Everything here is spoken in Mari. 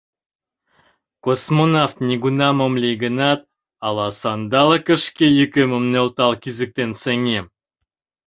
Космонавт нигунам ом лий гынат, ала Сандалыкыш шке йӱкемым нӧлтал кӱзыктен сеҥем?